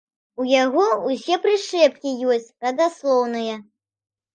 У яго ўсе прышчэпкі ёсць, радаслоўная.